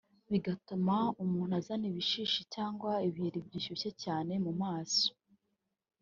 bigatuma umuntu azana ibishishi cyangwa ibiheri bibyibushye cyane mu maso